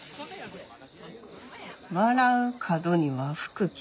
「笑う門には福来る」。